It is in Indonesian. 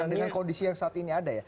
dengan kondisi yang saat ini ada ya